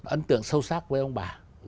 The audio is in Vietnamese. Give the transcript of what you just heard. ấn tượng sâu sắc với ông bà